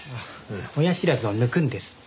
親知らずを抜くんですって。